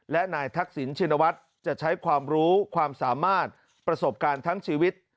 และนายทักษิณชินวัฒน์จะใช้ความรู้ความสามารถประสบการณ์ทั้งชีวิต